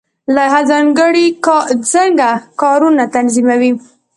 لایحه څنګه کارونه تنظیموي؟